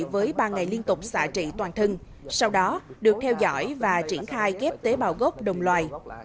với ba ngày liên tục xả trị toàn thân sau đó được theo dõi và triển khai ghép tế bào gốc đồng loài